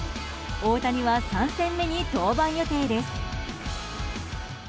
大谷は３戦目に登板予定です。